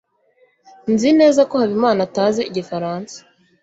nzi neza ko habimana atazi igifaransa